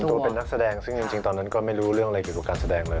ตัวเป็นนักแสดงซึ่งจริงตอนนั้นก็ไม่รู้เรื่องอะไรเกี่ยวกับการแสดงเลย